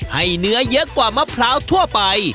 ให้เนื้อเยอะกว่ามะพร้าวทั่วไป